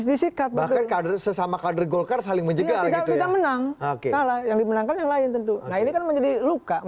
disikat bahkan kader sesama kader golkar saling menjaga menang menang yang lain tentu menjadi luka